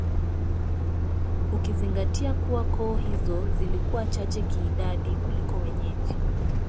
Ukizingatia kuwa koo hizo zilikuwa chache kiidadi kuliko wenyeji